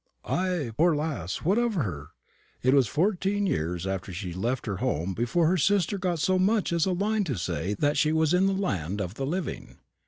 "Ay, poor lass, what of her? It was fourteen years after she left her home before her sister got so much as a line to say she was in the land of the living.